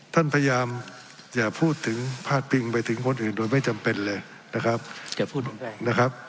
ท่านพยายามอย่าพูดถึงพาดปิงไปถึงคนอื่นโดยไม่จำเป็นเลยนะครับ